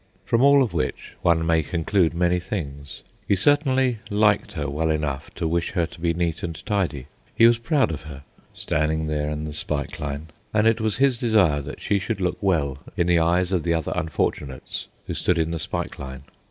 From all of which one may conclude many things. He certainly liked her well enough to wish her to be neat and tidy. He was proud of her, standing there in the spike line, and it was his desire that she should look well in the eyes of the other unfortunates who stood in the spike line.